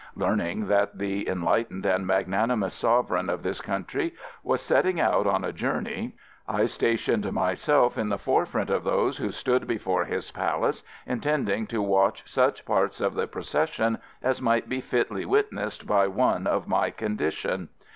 Learning that the enlightened and magnanimous sovereign of this country was setting out on a journey I stationed myself in the forefront of those who stood before his palace, intending to watch such parts of the procession as might be fitly witnessed by one of my condition.